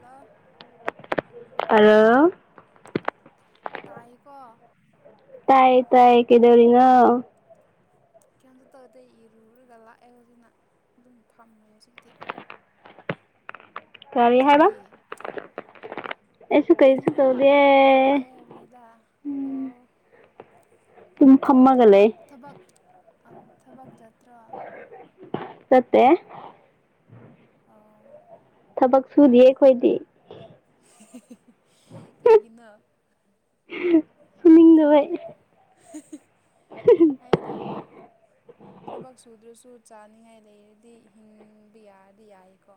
ꯍ ꯑ ꯇꯥꯏꯀꯣ ꯇꯥꯏ ꯇꯥꯏ ꯀꯗꯧꯔꯤꯅꯣ ꯀꯩꯅꯇ ꯇꯧꯔꯗꯩ ꯏꯔꯨꯔꯒ ꯂꯥꯛꯑꯦ ꯍꯧꯖꯤꯛꯅ ꯑꯗꯨꯝ ꯐꯝꯃꯦ ꯍꯧꯖꯤꯛꯇꯤ [unintelligible] ꯀꯔꯤ ꯍꯥꯏꯕ ꯅꯪꯗꯤ ꯑꯩꯁꯨ ꯀꯔꯤꯁꯨ ꯏꯔꯨꯔꯒ ꯇꯧꯗꯦ ꯂꯥꯛꯑꯦ ꯍꯥꯂꯥꯛꯕꯗ ꯑꯣ ꯄꯨꯡ ꯐꯝꯃꯒ ꯂꯩ ꯑ ꯊꯕꯛ ꯆꯠꯇ꯭ꯔꯣ ꯆꯠꯇꯦ ꯑꫭ ꯊꯕꯛ ꯁꯨꯗꯤꯌꯦ ꯑꯩꯈꯣꯏꯗꯤ ꯀꯩꯒꯤꯅꯣ ꯊꯕꯛ ꯁꯃꯤꯗꯚꯥꯏ ꯍꯥꯏꯗ ꯊꯕꯛ ꯁꯨꯗ꯭ꯔ ꯁꯨ ꯆꯥꯅꯤꯡꯉꯥꯏ ꯂꯩꯔꯗꯤ ꯍꯤꯡꯕ ꯌꯥꯗꯤ ꯌꯥꯏꯀꯣ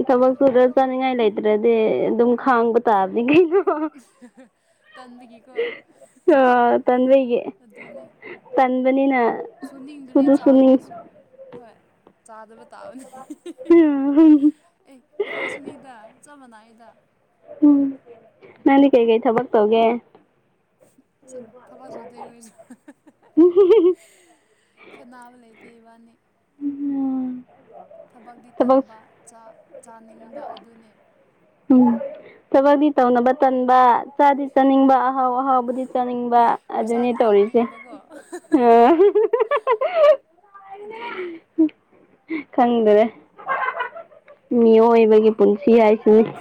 ꯎ ꯊꯕꯛ ꯁꯨꯔ ꯊꯕꯛꯄꯨ ꯆꯥꯅꯤꯡꯉꯥꯏ ꯂꯩꯇ꯭ꯔꯗꯤ ꯑꯗꯨꯝ ꯈꯥꯡꯕ ꯇꯥꯕꯒꯤ ꯇꯟꯒꯤꯀꯣ ꯑꯗꯨꯅꯦ ꯄꯟꯕꯅꯤꯅ ꯁꯨꯅꯤꯡꯗꯨꯗꯤ ꯆꯥꯗꯕꯁꯨ ꯍꯣꯏ ꯆꯥꯗꯕ ꯇꯥꯕꯅꯤ ꯑꯦ ꯑꯩꯈꯣꯏ ꯁꯨꯅꯤꯗ ꯆꯞ ꯃꯥꯟꯅꯩꯗ ꯎꯝ ꯅꯗꯤ ꯀꯩꯀꯩ ꯊꯕꯛ ꯇꯧꯒꯦ ꯆ ꯊꯕ ꯁ ꯎꯗꯒꯁꯨ ꯈꯦꯅꯥꯕ ꯂꯩ ꯇꯕꯥꯅꯤ ꯊꯕꯛꯇꯤ ꯊꯕꯛ ꯇꯟꯕ ꯆꯥꯅꯤꯡꯕ ꯑꯗꯨꯅꯤ ꯎꯝ ꯊꯕꯛꯇꯛꯇꯤ ꯇꯧꯅꯕ ꯇꯟꯕ ꯆꯥꯗꯤ ꯆꯥꯅꯤꯡꯕ ꯑꯍꯥꯎ ꯑꯍꯥꯎꯕꯨꯗꯤ ꯆꯥꯅꯤꯡꯕ ꯑꯗꯨꯅꯤ ꯄꯩꯁꯥꯗꯤ ꯇꯧꯔꯤꯁꯦ ꯑ ꯂꯥꯛꯅꯤꯡꯕꯀꯣ ꯑꯗꯨꯅꯤ ꯈꯪꯗꯔꯦ ꯃꯤꯑꯣꯏꯕꯒꯤ ꯄꯨꯟꯁꯤ ꯍꯥꯏꯁꯤꯅꯤ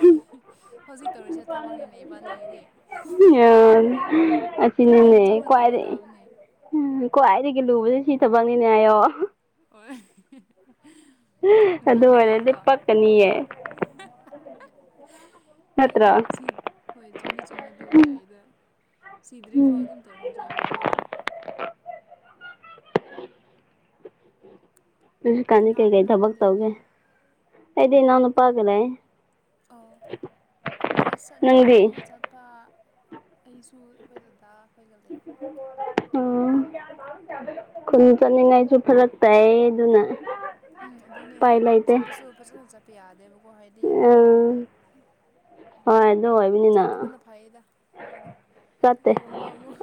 ꯍꯧꯖꯤꯛ ꯇꯧꯔꯤꯁꯦ ꯊꯕꯛꯅꯤꯅꯦ ꯏꯕꯥꯅꯤꯒꯤꯗꯤ ꯎ ꯑꯁꯤ ꯆꯅꯤꯅꯦ ꯀꯋꯥ ꯇꯜꯅꯦ ꯀꯣꯋꯥꯗꯒꯤ ꯂꯨꯕꯁꯦ ꯁꯤ ꯊꯕꯛꯅꯤꯅꯦ ꯍꯥꯏꯌꯣ ꯍꯣꯏ ꯑꯗꯨ ꯑꯣꯏꯔꯗꯤ ꯏꯕꯥꯅꯤꯒꯤꯀꯣ ꯄꯛꯀꯅꯤꯌꯦ ꯅꯠꯇ꯭ꯔꯣ ꯌꯥꯏꯗ ꯁꯤ ꯍꯣꯏ ꯆꯨꯝꯗꯤ ꯆꯨꯝꯃꯦ ꯑꯗꯨꯕꯨ ꯌꯥꯏꯗ ꯁꯤꯗ꯭ꯔꯤꯐꯥꯎ ꯎꯝ ꯑꯗꯨꯝ ꯇꯧꯔꯁꯩꯕꯥꯅꯤꯗꯤ ꯎ ꯀꯅꯤ ꯀꯅꯥ ꯀꯦꯒꯩ ꯀꯅꯥꯒ ꯊꯕꯛ ꯂꯩꯒꯦ ꯇꯧꯒꯦ ꯑꯩꯗꯤ ꯅꯅ ꯎ ꯄꯒꯗꯦ ꯑꯣ ꯀꯣꯂꯦꯖ ꯆꯠꯅꯤꯡꯕ ꯅꯪꯗꯤ ꯃꯇꯝꯗ ꯆꯠꯄ ꯑꯩꯁꯨ ꯑꯩꯈꯣꯏ ꯑꯗꯨꯗꯥ ꯑꯩꯈꯣꯏꯒ ꯂꯩ ꯎꯝ ꯈꯨꯟ ꯆꯠꯅꯤꯡꯉꯥꯏꯁꯨ ꯐꯔꯛ ꯇꯥꯏꯌꯦ ꯑꯗꯨꯅ ꯎꯝ ꯑꯗꯨꯅꯦ ꯎꯄꯥꯏ ꯂꯩꯇꯦ ꯆꯠꯄꯁꯨ ꯐꯖꯅ ꯆꯠꯄ ꯌꯥꯗꯦꯕ ꯕ ꯍꯥꯏꯗꯤ ꯎꯝ ꯅꯟꯍꯥꯡꯒꯨꯝꯅ ꯍꯣꯏ ꯑꯗꯨ ꯑꯣꯏꯕꯅꯤꯅ ꯆꯠꯇꯕꯅ ꯐꯩꯌꯦꯗ ꯑꯩꯣꯏꯗ ꯆꯠꯇꯦ ꯀꯩꯒꯨꯝꯕ ꯑꯃꯨꯛ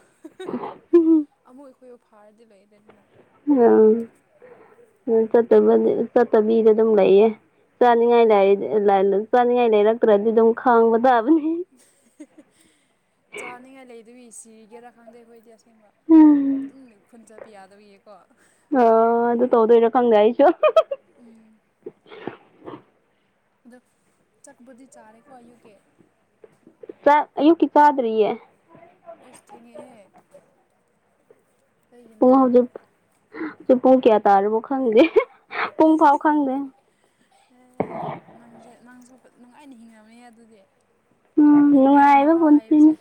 ꯎꯝ ꯑꯃꯨꯛ ꯑꯩꯈꯣꯏꯕꯨ ꯐꯥꯔꯗꯤ ꯂꯩꯔꯦꯗꯅ ꯑꯝ ꯆꯠꯇ ꯆꯠꯇꯕꯤꯗ ꯑꯗꯨꯝ ꯂꯩꯌꯦ ꯆꯥꯅꯤꯡꯉꯥꯏ ꯑꯣ ꯂꯥꯏ ꯂ ꯆꯥꯅꯤꯡꯉꯥꯏ ꯂꯩꯥꯏꯔꯛꯇꯔ ꯑꯗꯨ ꯑꯗꯨꯝ ꯈꯥꯡꯒꯕꯙꯥꯕꯅꯤ ꯆꯥꯅꯤꯡꯉꯥꯏ ꯂꯩꯗꯏ ꯁꯤꯒꯦꯔꯥ ꯈꯪꯗꯦ ꯑꯩꯈꯣꯏꯗꯤ ꯑꯁ ꯑꯁꯦꯡꯕ ꯑꯗꯨꯝ ꯈꯨꯟ ꯆꯠꯄ ꯌꯥꯗꯧꯌꯦꯀꯣ ꯑ ꯑꯗꯨ ꯇꯧꯗ ꯏꯔ ꯈꯪꯒꯥꯏꯁꯨ ꯎꯝ ꯑꯗ ꯆꯠꯄꯗꯤ ꯆꯥꯔꯦꯀꯣ ꯑꯌꯨꯛꯀꯤ ꯁꯥ ꯑꯨꯀꯤ ꯀꯥꯗꯔꯤꯌꯦ ꯑꯣꯇꯍ ꯂꯩꯅꯣ ꯄꯨꯡ ꯍꯧꯖꯤꯛ ꯄꯨꯡ ꯀꯌꯥ ꯇꯥꯔꯕꯨ ꯈꯪꯒꯦ ꯄꯨꯡ ꯐꯥꯎꯥꯎ ꯈꯪꯗ ꯅꯪꯁꯦ ꯅꯪꯁꯨ ꯅꯨꯡꯉꯥꯏꯅ ꯍꯤꯡꯅꯕꯅꯦ ꯑꯗꯨꯗꯤ ꯎꯝ ꯍꯤꯡꯕꯒꯤ ꯅꯨꯡꯉꯥꯏꯕ ꯃꯍꯥꯎ ꯄꯨꯟꯁꯤꯅꯤ ꯍꯥꯏꯕꯁꯦ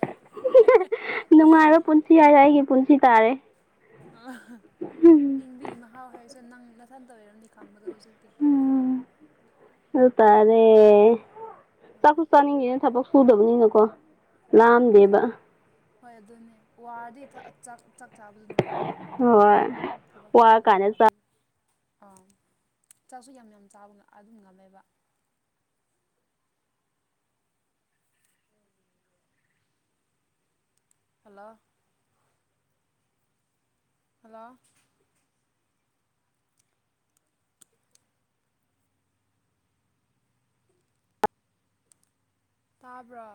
ꯅꯨꯡꯉꯥꯏꯕ ꯄꯨꯟꯁꯤ ꯍꯥꯏꯔ ꯑꯩꯒꯤ ꯄꯨꯟꯁꯤ ꯇꯥꯔꯦ ꯍꯤꯡꯕꯤꯒꯤ ꯃꯍꯥꯎ ꯍꯥꯏꯁꯦ ꯅꯪ ꯅꯥꯊꯟꯇ ꯑꯣꯏꯔꯝꯅꯤ ꯈꯪꯕꯗꯣ ꯍꯧꯖꯤꯛ ꯍꯧ ꯎꯝ ꯑꯗꯨ ꯇꯔꯦ ꯆꯥꯛꯁꯨ ꯆꯥꯅꯤꯡꯉꯤꯅ ꯊꯕꯛ ꯁꯨꯗꯕꯅꯤꯅꯀꯣ ꯍꯣꯏꯗ ꯂꯥꯝꯗꯦꯕ ꯍꯣꯏ ꯑꯗꯨꯅꯦ ꯋꯥꯔꯗꯤ ꯆꯥꯕꯗ ꯅꯨꯡꯉꯥꯏꯕꯅꯤ ꯍꯣꯏ ꯊꯕꯛ ꯋꯥꯔ ꯁꯨꯕꯗ ꯀꯥꯟꯗ ꯆꯥ ꯋꯥꯗꯦ ꯑꯥ ꯆꯥꯛꯁꯨ ꯌꯥꯝ ꯌꯥꯝ ꯆꯥꯕ ꯑꯗꯨꯝ ꯉꯝꯃꯦꯕ ꯍꯜꯂꯣ ꯍꯜꯂꯣ ꯇꯥꯕ꯭ꯔꯥ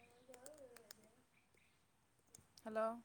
ꯌꯥ ꯑꯣꯏꯅꯤ ꯍꯜꯂꯣ